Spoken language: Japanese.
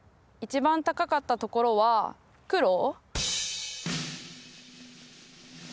一番高かったところは黒？